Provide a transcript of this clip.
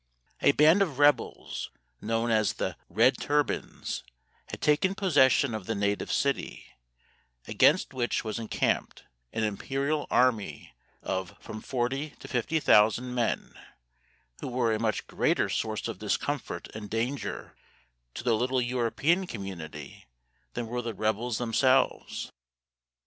A band of rebels, known as the "Red Turbans," had taken possession of the native city, against which was encamped an Imperial army of from forty to fifty thousand men, who were a much greater source of discomfort and danger to the little European community than were the rebels themselves.